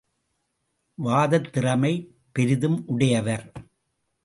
வாதத்திறமை பெரிதும் உடையவர்.